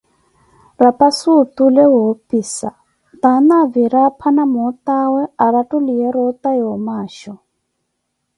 rapasi otule woopisa, taana avira apha na mootawe, arattuliye roota la omaasho.